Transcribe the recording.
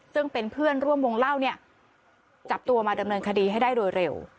ซึ่งเป็นเพื่อนร่วมวงเล่าเนี่ยจับตัวมาดำเนินคดีให้ได้โดยเร็ว